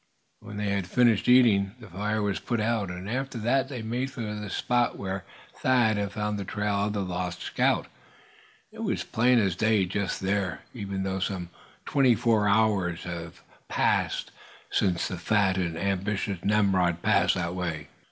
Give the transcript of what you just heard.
When they had finished eating, the fire was put out; and after that they made for the spot where Thad had found the trail of the lost scout. It was as plain as day just there, even though some twenty four hours must have elapsed since the fat and ambitious Nimrod passed that way.